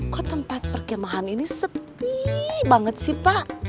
kok tempat perkemahan ini sepi banget sih pak